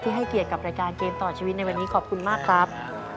ให้เกียรติกับรายการเกมต่อชีวิตในวันนี้ขอบคุณมากครับ